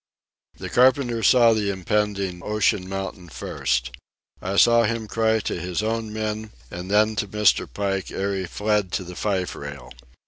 The carpenter saw the impending ocean mountain first. I saw him cry to his own men and then to Mr. Pike ere he fled to the fife rail.